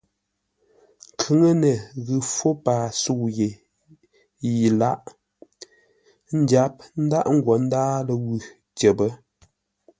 Nkhʉŋənə ghʉ fó paa sə̌u yé yi lâʼ, ńdyáp ńdaghʼ ńgwó ńdǎa ləwʉ̂ tyəpə́.